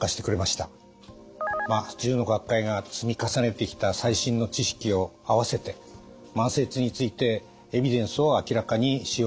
１０の学会が積み重ねてきた最新の知識を合わせて慢性痛についてエビデンスを明らかにしようとしました。